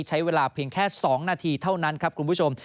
ใช้เวลาเพียงแค่๒นาทีเท่านั้นครับคุณผู้ชม